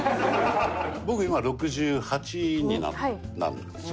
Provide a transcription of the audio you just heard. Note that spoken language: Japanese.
僕今６８になるんですよ。